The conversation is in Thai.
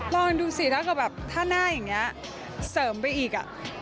ลองดูสิถ้าเกิดแบบถ้าหน้าอย่างนี้เสริมไปอีก